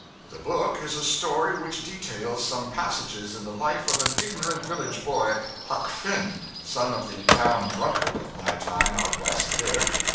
The book is a story which details some passages in the life of an ignorant village boy, Huck Finn, son of the town drunkard of my time out west, there.